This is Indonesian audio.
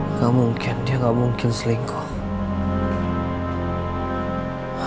enggak mungkin dia enggak mungkin selingkuh